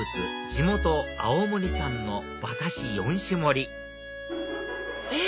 地元青森産の馬刺し４種盛りえ？